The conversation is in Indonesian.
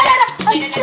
aduh aduh aduh